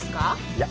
いや。